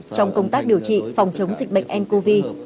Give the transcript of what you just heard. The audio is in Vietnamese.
trong công tác điều trị phòng chống dịch bệnh ncov